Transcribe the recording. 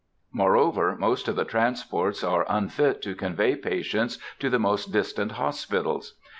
Moreover, most of the transports are unfit to convey patients to the most distant hospitals.